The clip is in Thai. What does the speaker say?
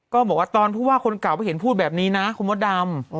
ก็บอกว่าตอนพูดว่าคนเก่าไม่เห็นพูดแบบนี้นะคุณมดรรม